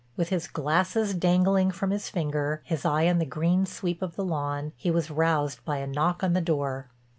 With his glasses dangling from his finger, his eyes on the green sweep of the lawn, he was roused by a knock on the door.